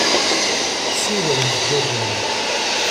Ssider zzjaj-nnem!